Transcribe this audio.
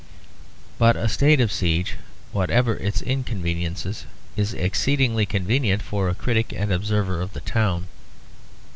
But a state of siege, whatever its inconveniences, is exceedingly convenient for a critic and observer of the town.